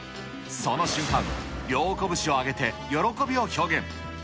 その瞬間、両拳を上げて、喜びを表現。